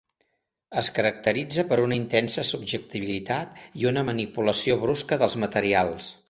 Es caracteritza per una intensa subjectivitat i una manipulació brusca dels materials.